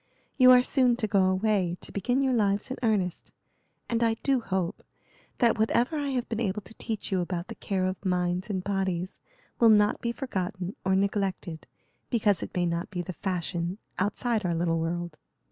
You are soon to go away to begin your lives in earnest, and I do hope that whatever I have been able to teach you about the care of minds and bodies will not be forgotten or neglected because it may not be the fashion outside our little world."